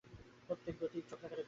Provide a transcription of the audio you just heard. প্রত্যেক গতিই চক্রাকারে হইয়া থাকে।